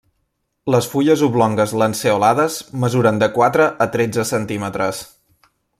Les fulles oblongues lanceolades mesuren de quatre a tretze centímetres.